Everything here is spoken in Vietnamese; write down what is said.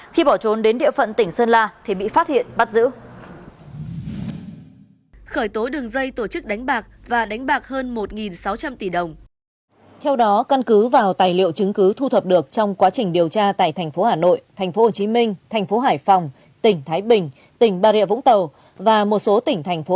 khi bỏ trốn đến địa phận tỉnh sơn la thì bị phát hiện bắt giữ